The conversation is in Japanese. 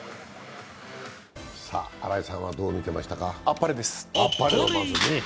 新井さんはどう見てましたか？